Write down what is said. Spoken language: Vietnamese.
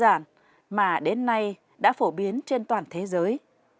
và những mẫu tự latin đơn giản mà đến nay đã phổ biến trên toàn thế giới